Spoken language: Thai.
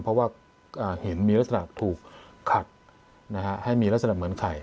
เพราะว่าเห็นมีลักษณะถูกขัดให้มีลักษณะเหมือนไข่